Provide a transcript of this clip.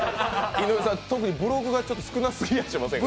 井上さん、特にブログが少なすぎませんか？